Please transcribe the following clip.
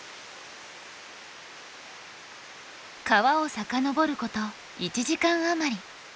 川を遡ること１時間余り。